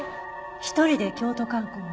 一人で京都観光を？